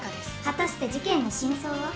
「果たして事件の真相は？」